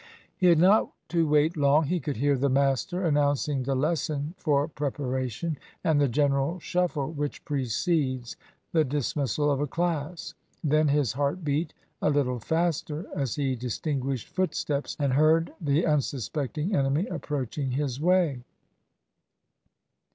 He had not to wait long. He could hear the master announcing the lesson for preparation, and the general shuffle which precedes the dismissal of a class. Then his heart beat a little faster as he distinguished footsteps and heard the unsuspecting enemy approaching his way.